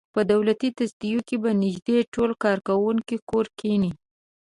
په دولتي تصدیو کې به نږدې ټول کارکوونکي کور کېني.